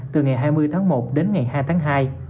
từ ngày hai mươi tháng một đến ngày hai tháng hai